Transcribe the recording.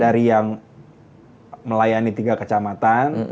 dari yang melayani tiga kecamatan